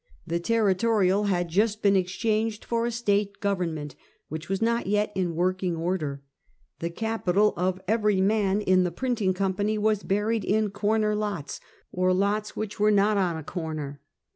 The territorial had just been exchanged for a state government, which was not yet in working order. The capital of every man in the printing company was buried in corner lots, or lots which were not on a corner.